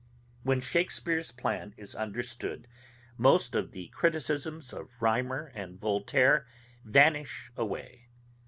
When Shakespeare's plan is understood, most of the criticisms of Rhymer and Voltaire vanish away.